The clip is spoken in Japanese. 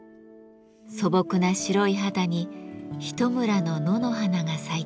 素朴な白い肌にひと群の野の花が咲いています。